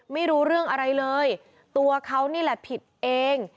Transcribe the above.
ไม่รู้เรื่องอะไรเลยตัวเขานี่แหละผิดเอง